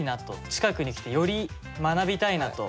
近くに来てより学びたいなと。